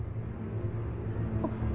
あっ！